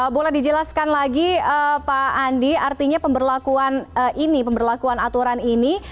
boleh dijelaskan lagi pak andi artinya pemberlakuan ini pemberlakuan aturan ini